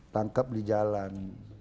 tangkap di jalan